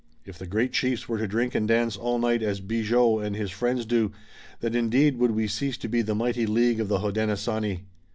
If the great chiefs were to drink and dance all night as Bigot and his friends do, then indeed would we cease to be the mighty League of the Hodenosaunee."